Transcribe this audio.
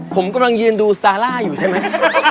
ผมกำลังยืนดูซาร่าอยู่ใช่ไหม